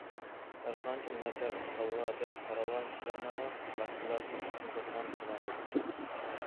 ھەر قانچە« ناچار»،« كالۋا» دەپ قارالغان كىشىلەرنىڭمۇ باشقىلاردىن ئۈستۈن تۇرىدىغان« تالانتى» بولىدۇ.